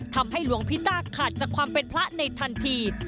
ทำให้หลวงพี่ต้าขาดจากความเป็นพระในทันที